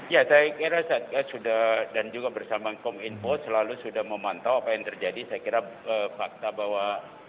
ya saya kira satgas sudah dan juga bersama kominfo selalu sudah memantau apa yang terjadi saya kira fakta bahwa